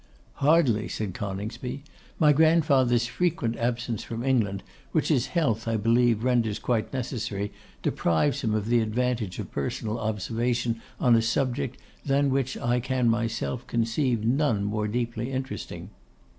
'Hardly,' said Coningsby. 'My grandfather's frequent absence from England, which his health, I believe, renders quite necessary, deprives him of the advantage of personal observation on a subject, than which I can myself conceive none more deeply interesting.